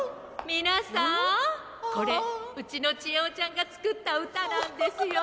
みなさんこれうちのちえおちゃんがつくったうたなんですよ。